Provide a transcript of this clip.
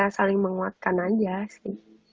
saling menguatkan aja sih